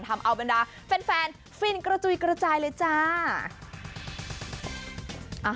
ทำเอาบรรดาแฟนฟินกระจุยกระจายเลยจ้า